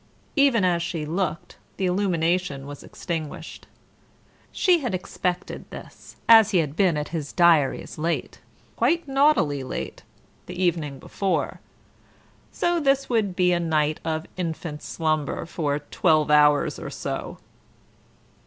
Even as she looked, the illumination was extinguished. She had expected this, as he had been at his diaries late quite naughtily late the evening before, so this would be a night of infant slumber for twelve hours or so.